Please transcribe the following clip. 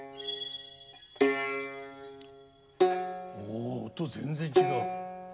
お音全然違う。